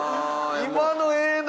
今のええな。